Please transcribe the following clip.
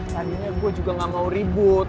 seandainya gue juga gak mau ribut